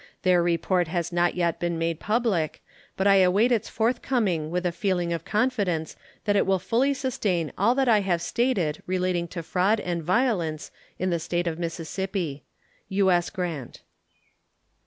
Their report has not yet been made public, but I await its forthcoming with a feeling of confidence that it will fully sustain all that I have stated relating to fraud and violence in the State of Mississippi. U.S. GRANT.